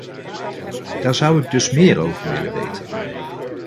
Daar zou ik dus meer over willen weten.